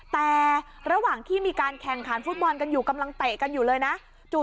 แต่ระหว่างที่มีการแข่งขันฟุตบอลกำลังเตะกันอยู่เกือบ